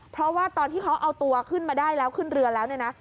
เพราะว่าตอนที่เขาเอาตัวขึ้นมาได้แล้วขึ้นเรือแล้วเนี่ยนะ